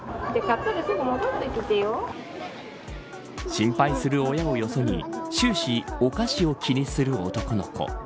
心配する親をよそに終始、お菓子を気にする男の子。